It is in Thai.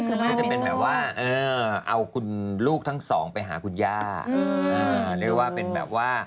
ก็จะเป็นแบบว่าเอาคุณลูกทั้งสองไปหาคุณย่า